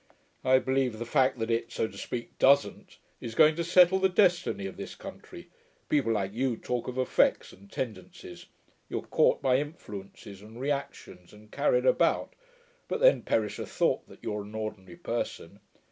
I believe the fact that it, so to speak, doesn't, is going to settle the destiny of this country. People like you talk of effects and tendencies; you're caught by influences and reactions and carried about; but then, perish the thought that you're an ordinary person.